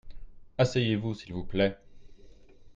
Asseyez-vous s'il vous plait.